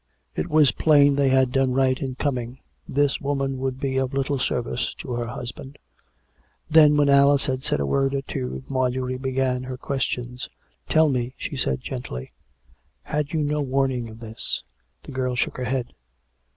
It was plain they had done right in coming: this woman would be of little service to her husband. Then when Alice had said a word or two, Marjorie began her questions. " Tell me," she said gently, " had you no warning of this ?" The girl shook her head.